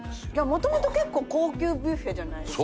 元々結構高級ビュッフェじゃないですか。